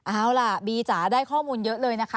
เอาล่ะบีจ๋าได้ข้อมูลเยอะเลยนะคะ